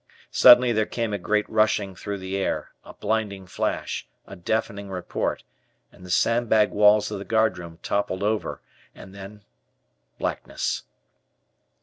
Suddenly there came a great rushing through the air, a blinding flash, a deafening report, and the sandbag walls of the guardroom toppled over, and then blackness.